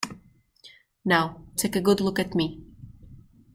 Now, take a good look at me!